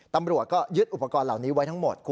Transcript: ตำรวจก็ยึดอุปกรณ์เหล่านี้ไว้ทั้งหมด